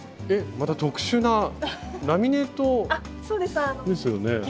えっまた特殊なラミネートですよね。